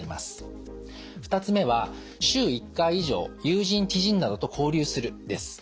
２つ目は「週１回以上友人・知人などと交流する」です。